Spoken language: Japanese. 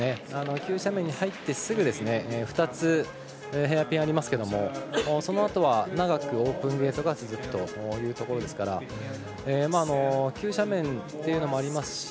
急斜面に入ってすぐ２つ、ヘアピンありますけどもそのあとは長くオープンゲートが続くというところですから急斜面というのもあります